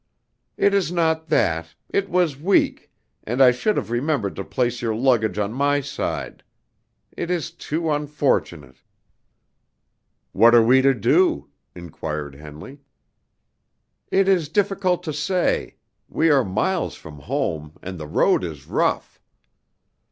"It is not that; it was weak; and I should have remembered to place your luggage on my side. It is too unfortunate." "What are we to do?" inquired Henley. "It is difficult to say. We are miles from home, and the road is rough."